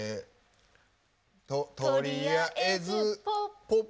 「とりあえずポッ」